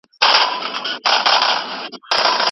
کنت د خپل استاد پیروي وکړه.